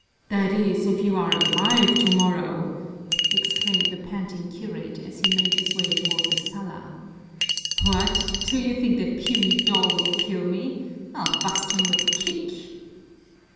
"That is, if you are alive tomorrow!" exclaimed the panting curate as he made his way toward the sala. "What, do you think that puny doll will kill me? I'll bust him with a kick!"